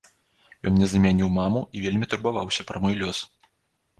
Ён мне замяніў маму і вельмі турбаваўся пра мой лёс.